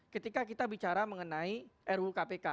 ketika kita bicara mengenai ru kpk